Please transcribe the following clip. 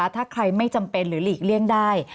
ถ้าใครไม่จำเป็นหรือหลีกเลี่ยงได้